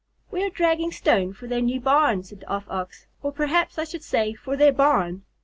"We are dragging stone for their new barn," said the Off Ox. "Or perhaps I should say for their barn.